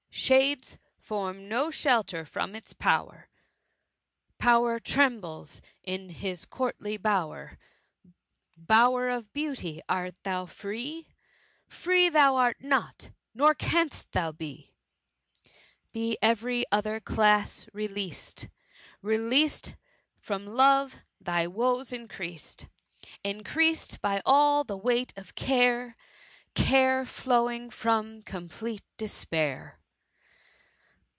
Shades form no shelter from its power^ Power trembles in his courtly bower. Bower of beauty — art thou free ? Free thou art not — ^nor canst thou be ! Be every other class released^ Released from love^ thy woe's increased; Increased by all the weight of care> Care flowing from complete despair."